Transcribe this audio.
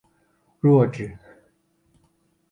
弱智？